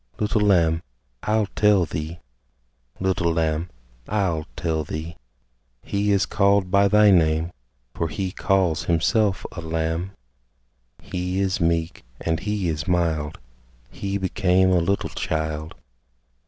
Little Lamb, I'll tell thee; Little Lamb, I'll tell thee: He is called by thy name, For He calls Himself a Lamb He is meek, and He is mild, He became a little child.